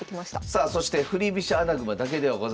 さあそして振り飛車穴熊だけではございません。